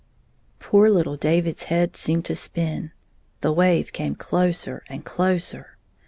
Poor httle David's head seemed to spin. The wave came closer and closer.